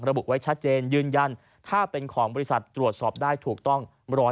ระบุไว้ชัดเจนยืนยันถ้าเป็นของบริษัทตรวจสอบได้ถูกต้อง๑๐๐